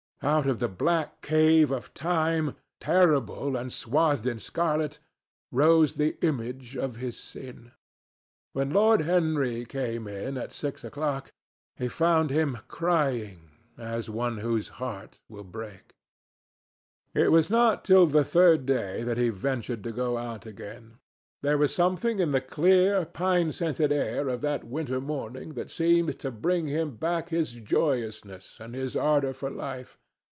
Out of the black cave of time, terrible and swathed in scarlet, rose the image of his sin. When Lord Henry came in at six o'clock, he found him crying as one whose heart will break. It was not till the third day that he ventured to go out. There was something in the clear, pine scented air of that winter morning that seemed to bring him back his joyousness and his ardour for life.